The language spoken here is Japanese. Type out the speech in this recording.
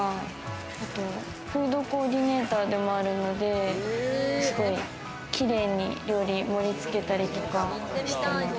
あとフードコーディネーターでもあるので、すごいキレイに料理、盛り付けたりとかしてます。